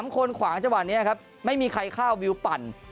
๓คนขวางจังหวะนี้ครับไม่มีใครฆ่าวิวปั่น